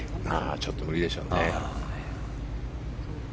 ちょっと無理でしょうね。